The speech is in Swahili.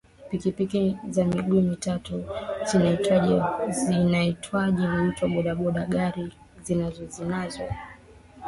pikipiki za miguu mitatu zinaitwaje huitwa boda boda gari zinazo zinazo